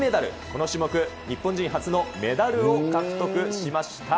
この種目、日本人初のメダルを獲得しました。